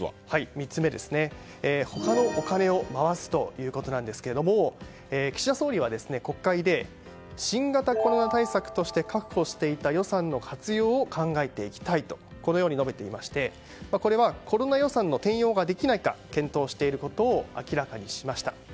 ３つ目は、他のお金を回すということですが岸田総理は国会で新型コロナ対策として確保していた予算の活用を考えていきたいとこのように述べておりこれはコロナ予算の転用ができないか検討していることを明らかにしました。